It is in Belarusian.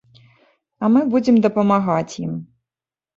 А мы будзем дапамагаць ім.